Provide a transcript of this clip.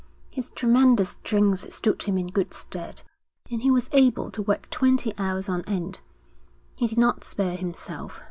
His tremendous strength stood him in good stead, and he was able to work twenty hours on end. He did not spare himself.